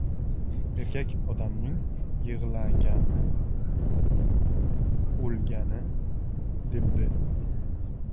— Erkak odamning yig‘lagani — o‘lgani, — debdi.